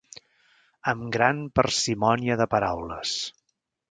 Amb gran parsimònia de paraules.